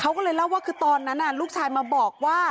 เขาก็เลยเล่าว่าคือตอนนั้นลูกชายมาบอกว่า